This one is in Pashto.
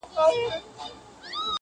بیا یې د ایپي د مورچلونو ډېوې بلي کړې!